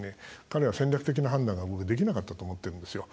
彼は戦略的な判断が僕、できなかったと思ってるんですよ。